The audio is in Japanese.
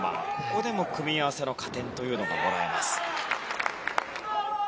ここでも組み合わせの加点がもらえます。